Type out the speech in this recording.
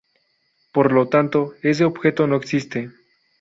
Por lo tanto ese objeto no existe.